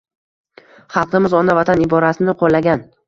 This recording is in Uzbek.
xalqimiz «ona vatan» iborasini qo‘llagan.